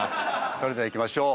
それではいきましょう。